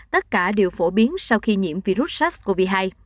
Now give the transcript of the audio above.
tất cả đều phổ biến sau khi nhiễm virus sars cov hai